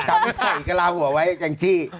จำวิทย์ใส่กระลาฮัวไว้แจ่งจี้